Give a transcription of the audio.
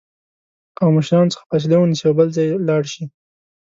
او مشرانو څخه فاصله ونیسي او بل ځای لاړ شي